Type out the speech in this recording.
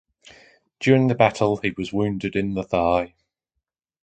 During the battle he was wounded in the thigh.